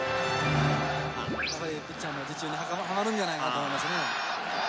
ピッチャーの術中にハマるんじゃないかと思いますね。